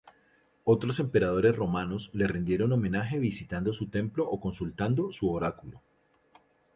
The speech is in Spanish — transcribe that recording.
Otros emperadores romanos le rindieron homenaje visitando su templo o consultando su oráculo.